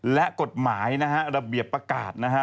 และกฎหมายนะฮะระเบียบประกาศนะฮะ